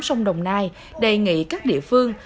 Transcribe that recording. sông đồng nai đề nghị các địa phương